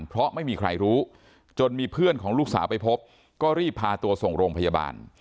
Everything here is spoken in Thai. เพราะไม่มีใครรู้จนมีเพื่อนของลูกสาวไปพบก็รีบพาตัวส่งโรงพยาบาล